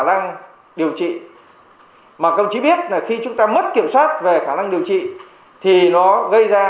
năng điều trị mà công chí biết là khi chúng ta mất kiểm soát về khả năng điều trị thì nó gây ra